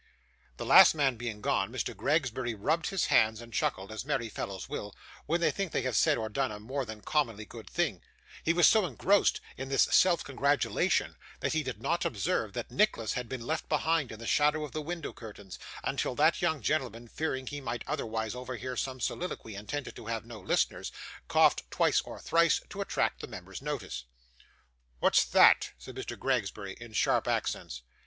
The last man being gone, Mr. Gregsbury rubbed his hands and chuckled, as merry fellows will, when they think they have said or done a more than commonly good thing; he was so engrossed in this self congratulation, that he did not observe that Nicholas had been left behind in the shadow of the window curtains, until that young gentleman, fearing he might otherwise overhear some soliloquy intended to have no listeners, coughed twice or thrice, to attract the member's notice. 'What's that?' said Mr. Gregsbury, in sharp accents.